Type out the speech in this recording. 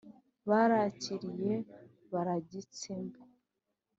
barakiriye baragitsembe